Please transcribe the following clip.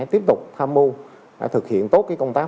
tiếp tục tham mưu thực hiện tốt công tác